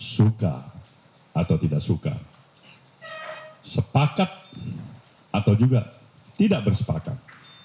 suka atau tidak suka sepakat atau juga tidak bersepakat